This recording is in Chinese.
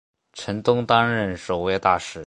陈东担任首位大使。